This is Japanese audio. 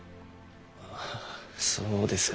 あぁそうですか。